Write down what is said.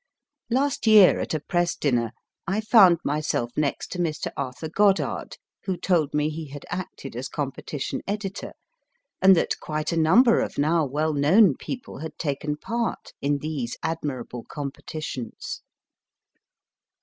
Last year, at a Press dinner, I found myself next to Mr. Arthur Goddard, who told me he had acted as Competition Editor, and that quite a number of now well known people had taken part in these admirable competitions.